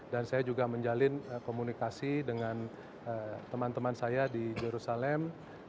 dan saya juga menjalin komunikasi dengan teman teman saya di jerusalem